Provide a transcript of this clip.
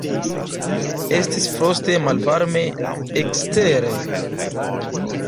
Estis froste malvarme ekstere.